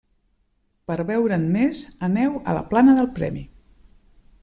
Per veure'n més, aneu a la plana del Premi.